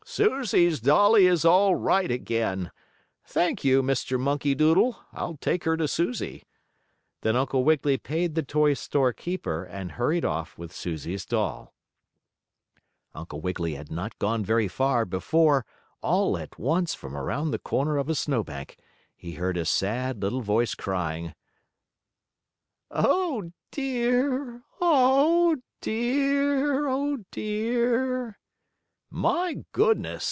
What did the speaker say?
"Susie's dolly is all right again. Thank you, Mr. Monkey Doodle, I'll take her to Susie." Then Uncle Wiggily paid the toy store keeper and hurried off with Susie's doll. Uncle Wiggily had not gone very far before, all at once from around the corner of a snowbank he heard a sad, little voice crying: "Oh, dear! Oh, dear! Oh, dear!" "My goodness!"